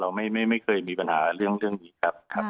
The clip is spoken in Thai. เราไม่เคยมีปัญหาเรื่องนี้ครับ